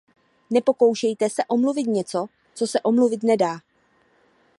Nepokoušejte se omluvit něco, co se omluvit nedá.